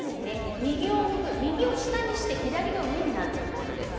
右を下にして左が上になるということです。